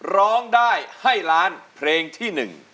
ร้องได้ให้ล้านเพลงที่๑